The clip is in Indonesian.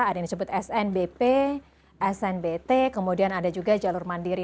ada yang disebut snbp snbt kemudian ada juga jalur mandiri